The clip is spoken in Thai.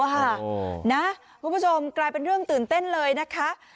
คุณผู้ชมกลายเป็นเรื่องตื่นเต้นเลยนะคะ